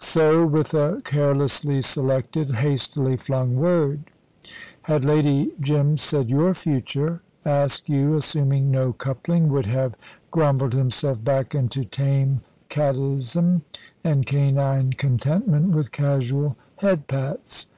So with a carelessly selected, hastily flung word. Had Lady Jim said your future, Askew, assuming no coupling, would have grumbled himself back into tame catism and canine contentment with casual head pats.